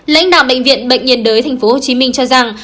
lãnh đạo bệnh viện bệnh nhiệt đới tp hcm cho rằng